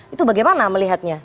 itu bagaimana melihatnya